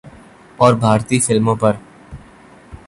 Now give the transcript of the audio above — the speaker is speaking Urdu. اور بھارتی فلموں پر